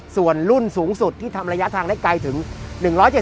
ส่วนรุ่นสูงสุดที่ทำระยะทางได้ไกลถึง๑๗๐